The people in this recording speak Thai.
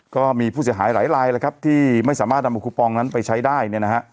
ก็มีผู้เสียหายหลายลายที่ไม่สามารถดำกับกูปองนั้นไปใช้ได้